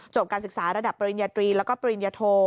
การศึกษาระดับปริญญาตรีแล้วก็ปริญญโท